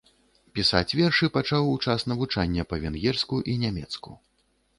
Пісаць вершы пачаў у час навучання па-венгерску і нямецку.